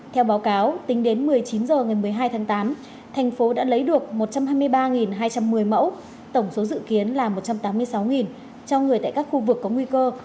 theo báo cáo tính đến một mươi chín h ngày một mươi hai tháng tám thành phố đã lấy được một trăm hai mươi ba hai trăm một mươi mẫu tổng số dự kiến là một trăm tám mươi sáu cho người tại các khu vực có nguy cơ